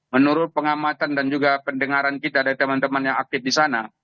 menurut pengamatan dan juga pendengaran kita dari teman teman yang aktif di sana